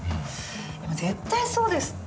絶対そうですって。